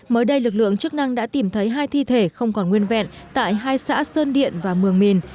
mới đây lực lượng chức năng đã tìm thấy hai thi thể không còn nguyên vẹn tại hai xã sơn điện và mường mìn